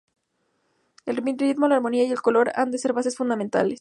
El ritmo, la armonía y el color han de ser bases fundamentales.